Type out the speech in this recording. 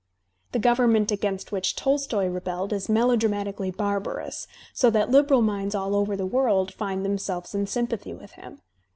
The government against which Tolstoy rebelled is melodramatically barbarous, so that liberal minds all over the world find themselves in sympathy with him.